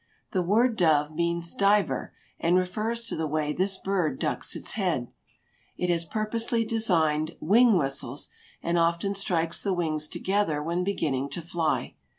The word dove means "diver" and refers to the way this bird ducks its head. It has purposely designed "wing whistles" and often strikes the wings together when beginning to fly.